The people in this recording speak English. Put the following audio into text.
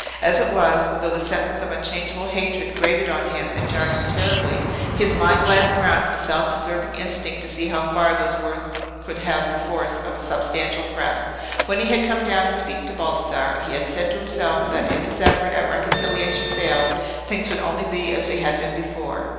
As it was, though the sentence of unchangeable hatred grated on him and jarred him terribly, his mind glanced round with a self preserving instinct to see how far those words could have the force of a substantial threat. When he had come down to speak to Baldassarre, he had said to himself that if his effort at reconciliation failed, things would only be as they had been before.